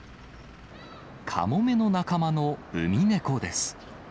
カモメの仲間のウミネコです。